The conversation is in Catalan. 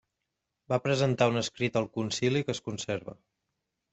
Va presentar un escrit al concili que es conserva.